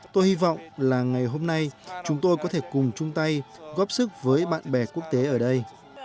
tôi hy vọng là ngày hôm nay chúng tôi có thể cùng chung tay góp sức với bạn bè quốc tế ở đây